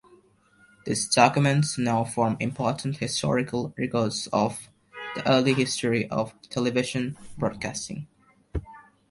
These documents now form important historical records of the early history of television broadcasting.